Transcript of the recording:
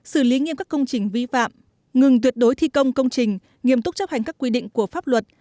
xử lý nghiêm các công trình vi phạm ngừng tuyệt đối thi công công trình nghiêm túc chấp hành các quy định của pháp luật